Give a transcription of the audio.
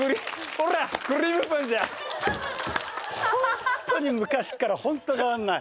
ホントに昔っからホント変わんない。